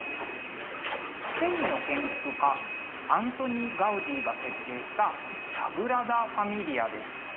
スペインの建築家アントニ・ガウディが設計した「サグラダ・ファミリア」です。